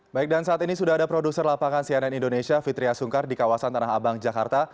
baik dan saat ini sudah ada produser lapangan cnn indonesia fitriah sungkar di kawasan tanah abang jakarta